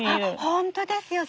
本当ですよ